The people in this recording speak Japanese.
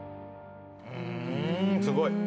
すごい。